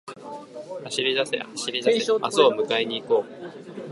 走りだせ、走りだせ、明日を迎えに行こう